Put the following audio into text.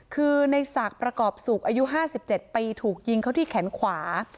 คือในศักดิ์ประกอบสุขอายุ๕๗ปีถูกยิงเขาที่แขนขวา